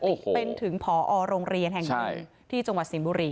ถึงถึงพอโรงเรียนแห่งกลุ่มที่จังหวัดสินบุรี